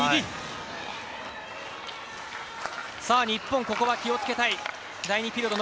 日本ここは気をつけたい。